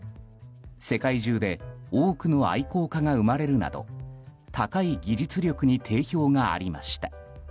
世界中で多くの愛好家が生まれるなど高い技術力に定評がありました。